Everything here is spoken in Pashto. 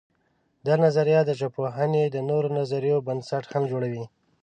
دا نظریه د ژبپوهنې د نورو نظریو بنسټ هم جوړوي.